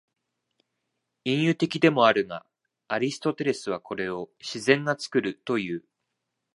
隠喩的でもあるが、アリストテレスはこれを「自然が作る」という。